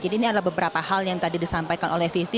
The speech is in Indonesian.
jadi ini adalah beberapa hal yang tadi disampaikan oleh vivi